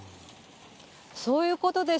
そういうことです。